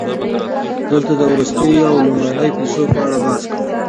دلته د وروستیو او لومړنیو پیسو په اړه بحث کوو